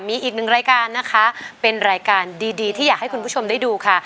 มีอีกหนึ่งรายการนะคะเป็นรายการดีที่อยากให้คุณผู้ชมได้ดูค่ะ